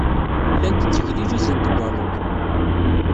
Llant tteglilizent deg waluḍ.